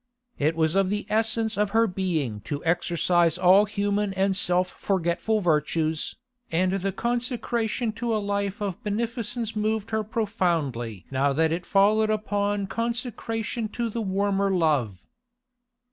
It was of the essence of her being to exercise all human and self forgetful virtues, and the consecration to a life of beneficence moved her profoundly now that it followed upon consecration to the warmer love.